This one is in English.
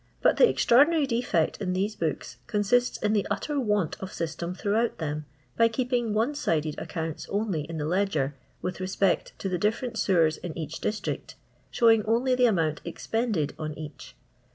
But the extraordinary defect in these books consists in the utter want of system throughout them, by keeping one sided accounts only in the ledger, with respect to the diflFerent sewers in each districty showing only the amount expended on each.